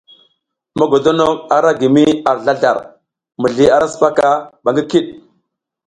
Mogodonok a ra gi mi ar zlazlar, mizli ara sipaka ba ngi kiɗ.